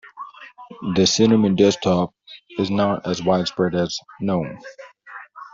The cinnamon desktop is not as widespread as gnome.